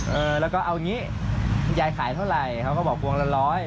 เออแล้วก็เอางี้คุณยายขายเท่าไหร่เขาก็บอกพวงละร้อย